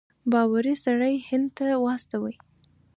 باوري سړی هند ته واستوي.